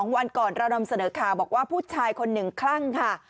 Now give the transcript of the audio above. วันก่อนเรานำเสนอข่าวบอกว่าผู้ชายคนหนึ่งคลั่งค่ะ